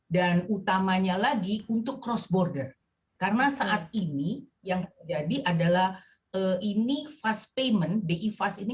dan utamanya lagi untuk cross border karena saat ini yang jadi adalah ini fast payment bifas ini